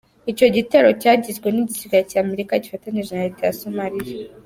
Icyo gitero cyagizwe n’igisirikare cya Amerika gifatanije na Leta ya Somaliya.